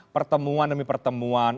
pertemuan demi pertemuan